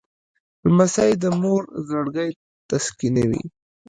لمسی د مور زړګی تسکینوي.